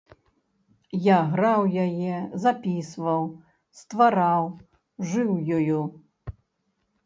Я граў яе, запісваў, ствараў, жыў ёю.